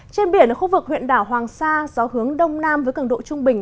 trên biển ở khu vực huyện đảo hoàng sa gió hướng đông nam với cường độ trung bình